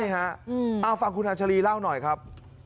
ใช่ฮะเอาฟังคุณฮาชะรีเล่าหน่อยครับ